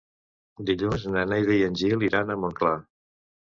Dilluns na Neida i en Gil iran a Montclar.